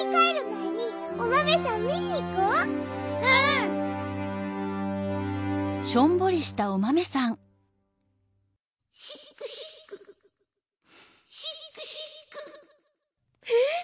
えっ！？